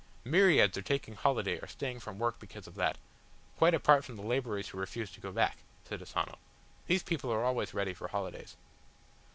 "Myriads are taking holiday or staying from work because of that, quite apart from the labourers who refuse to go back," said Asano. "These people are always ready for holidays."